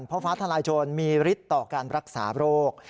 เพราะฟ้าทลายโจรมีฤทธิ์ต่อการรักษาโรค